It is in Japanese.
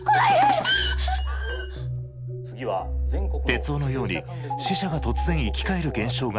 徹生のように死者が突然生き返る現象が多発。